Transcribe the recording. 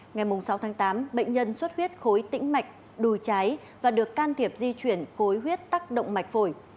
ngày sáu tháng tám bệnh nhân suốt huyết khối tĩnh mạch đùi trái và được can thiệp di chuyển khối huyết tác động mạch phổi